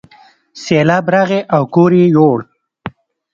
سیلاب راغی او کور یې یووړ.